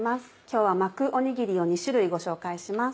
今日は巻くおにぎりを２種類ご紹介します。